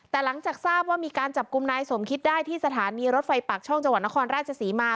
แต่หลังจากทราบว่ามีการจับกลุ่มนายสมคิดได้ที่สถานีรถไฟปากช่องจังหวัดนครราชศรีมา